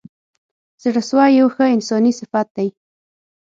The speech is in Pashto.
زړه سوی یو ښه انساني صفت دی.